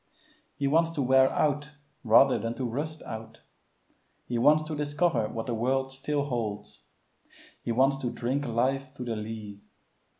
He wants to wear out rather than to rust out. He wants to discover what the world still holds. He wants to drink life to the lees.